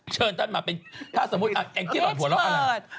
เชิญท่านมาถ้าสมมุติแองจิหลอดหัวแล้วอะไร